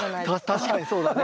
確かにそうだね。